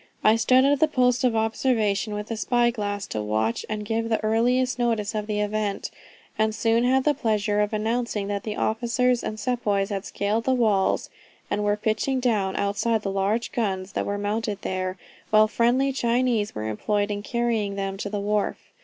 I stood at the post of observation with a spy glass to watch and give the earliest notice of the event, and soon had the pleasure of announcing that the officers and sepoys had scaled the walls, and were pitching down outside the large guns, that were mounted there, while friendly Chinese were employed in carrying them to the wharf.